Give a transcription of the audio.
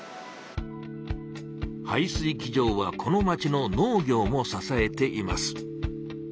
排水機場はこの町の農業もささえています。